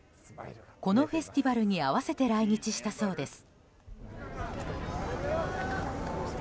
このフェスティバルに合わせて来日したそうです。